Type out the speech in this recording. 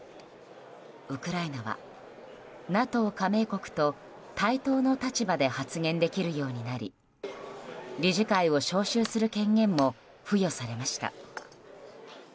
ウクライナはＮＡＴＯ加盟国と対等の立場で発言できるようになり理事会を招集する権限も付与されました。